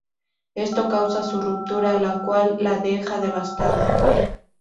Esto causa su ruptura, la cual la deja devastada.